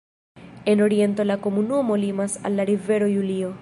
En oriento la komunumo limas al la rivero Julio.